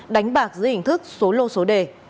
đánh bạc dưới hình thức số lô số đề